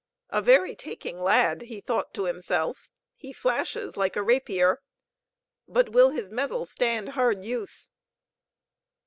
"A very taking lad," he thought to himself. "He flashes like a rapier. But will his metal stand hard use?"